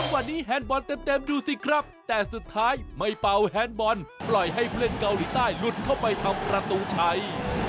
วันนี้แฮนด์บอลเต็มดูสิครับแต่สุดท้ายไม่เป่าแฮนด์บอลปล่อยให้ผู้เล่นเกาหลีใต้หลุดเข้าไปทำประตูชัย